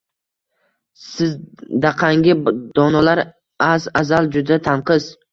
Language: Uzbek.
– Sizdaqangi donolar az-azal juda tanqis